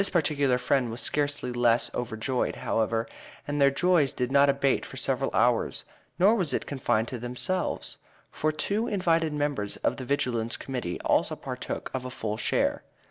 This particular friend was scarcely less overjoyed, however, and their joy did not abate for several hours; nor was it confined to themselves, for two invited members of the Vigilance Committee also partook of a full share.